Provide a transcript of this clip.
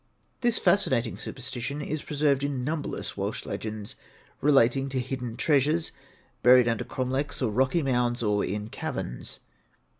This fascinating superstition is preserved in numberless Welsh legends relating to hidden treasures, buried under cromlechs or rocky mounds, or in caverns.